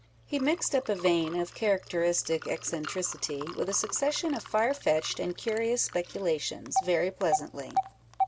He mixed up a vein of charac teristic eccentricity with a succession of far fetched and curious speculations, very pleasantly.